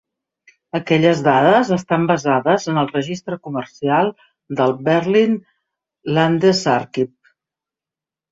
Aquelles dades estan basades en el registre comercial del "Berlin Landesarchiv".